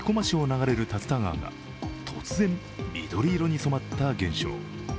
昨日、奈良県生駒市を流れる竜田川が突然緑色に染まった現象。